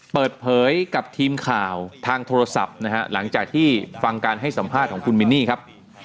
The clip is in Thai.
เปิดเผยกับทีมข่าวทางโทรศัพท์นะฮะหลังจากที่ฟังการให้สัมภาษณ์ของคุณมินนี่ครับ